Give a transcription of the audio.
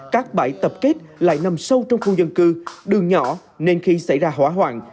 các bãi tập kết lại nằm sâu trong khu dân cư đường nhỏ nên khi xảy ra hỏa hoạn